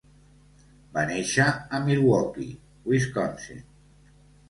Va néixer a Milwaukee, Wisconsin.